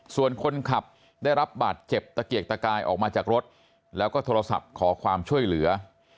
ส่วนคนขับได้รับบาดเจ็บตะเกียกตะกายออกมาจากรถแล้วก็โทรศัพท์ขอความช่วยเหลือ